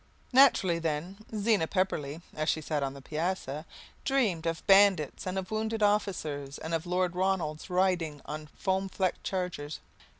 Naturally then Zena Pepperleigh, as she sat on the piazza, dreamed of bandits and of wounded officers and of Lord Ronalds riding on foam flecked chargers.